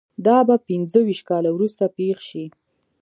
دا به پنځه ویشت کاله وروسته پېښ شي